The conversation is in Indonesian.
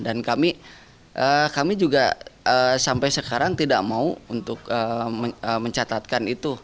dan kami juga sampai sekarang tidak mau untuk mencatatkan itu